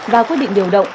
và quyết định điều động